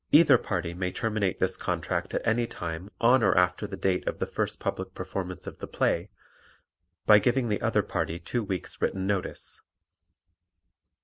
Either party may terminate this contract at any time on or after the date of the first public performance of the play by giving the other party two weeks' written notice.